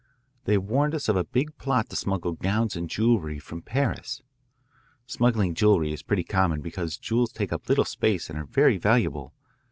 They warned us of a big plot to smuggle gowns and jewellery from Paris. Smuggling jewellery is pretty common because jewels take up little space and are very valuable.